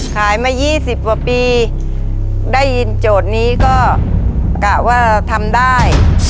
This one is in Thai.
ขายมา๒๐กว่าปีได้ยินโจทย์นี้ก็กะว่าทำได้